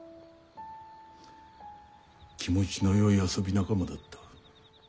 気持ちのよい遊び仲間だった。